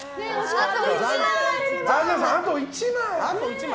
あと１枚。